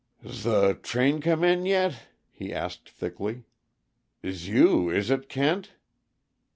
"'S the train come in yet?" he asked thickly. "'S you, is it, Kent?"